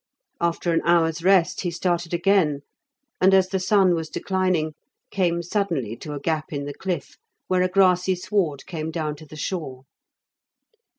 After an hour's rest, he started again; and, as the sun was declining, came suddenly to a gap in the cliff, where a grassy sward came down to the shore.